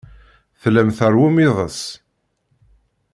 Tellam tṛewwum iḍes.